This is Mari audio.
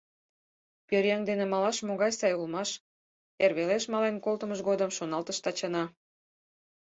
«Пӧръеҥ дене малаш могай сай улмаш», — эр велеш мален колтымыж годым шоналтыш Тачана.